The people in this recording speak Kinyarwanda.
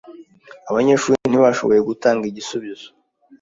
Abanyeshuri ntibashoboye gutanga igisubizo.